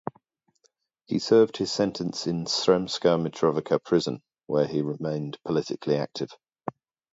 He served his sentence in Sremska Mitrovica prison, where he remained politically active.